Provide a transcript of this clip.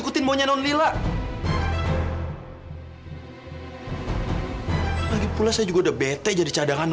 kita sampai sekarang masih punya tempat berteduh kan